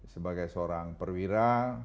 sebagai seorang perwira